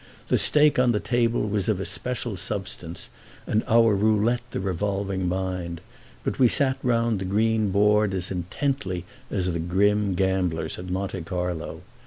The stake on the table was of a special substance and our roulette the revolving mind, but we sat round the green board as intently as the grim gamblers at Monte Carlo.